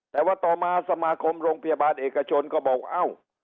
แต่ว่าต่อมาสมาคมโรงพยาบาลเอกชนก็บอกเอ้า